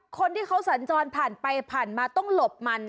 คนที่เขาสัญจรผ่านไปผ่านมาต้องหลบมัน